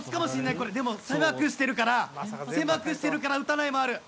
これでも狭くしてるから狭くしてるから打たないもある。